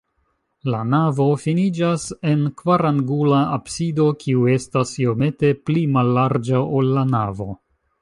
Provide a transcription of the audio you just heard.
La navo finiĝas en kvarangula absido, kiu estas iomete pli mallarĝa, ol la navo.